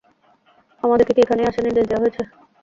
আমাদেরকে কি এখানেই আসার নির্দেশ দেয়া হয়েছে?